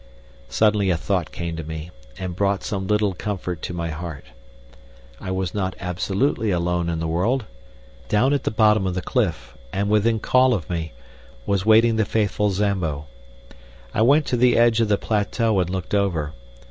Suddenly a thought came to me and brought some little comfort to my heart. I was not absolutely alone in the world. Down at the bottom of the cliff, and within call of me, was waiting the faithful Zambo. I went to the edge of the plateau and looked over.